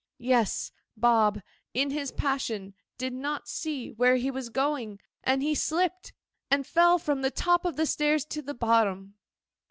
Yes, Bob, in his passion, did not see where he was going, and he slipped, and fell from the top of the stairs to the bottom.